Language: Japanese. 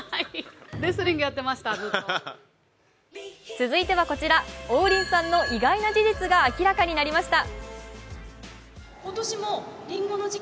続いてはこちら、王林さんの意外な事実が明らかになりました。